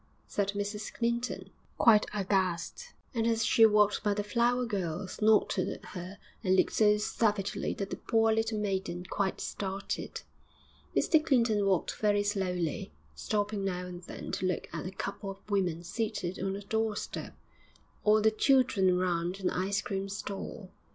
said Mrs Clinton, quite aghast; and as she walked by the flower girl, snorted at her and looked so savagely that the poor little maiden quite started. Mr Clinton walked very slowly, stopping now and then to look at a couple of women seated on a doorstep, or the children round an ice cream stall.